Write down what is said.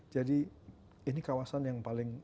jadi ini kawasan yang paling